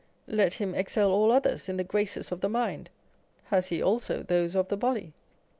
Let him excel all others in the graces of the mind, has he also those of the body?